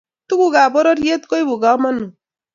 Tuguk ab bororet koibu kamanu